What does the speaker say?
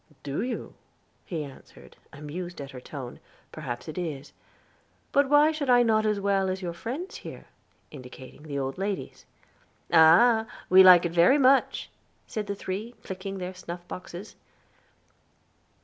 "Do you" he answered, amused at her tone, "perhaps it is; but why should I not as well as your friends here?" indicating the old ladies. "Ah, we like it very much," said the three, clicking their snuff boxes.